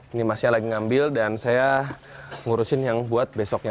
ini masnya lagi ngambil dan saya ngurusin yang buat besoknya